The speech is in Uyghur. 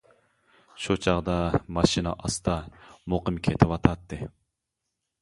شۇ چاغدا ماشىنا ئاستا، مۇقىم كېتىۋاتاتتى.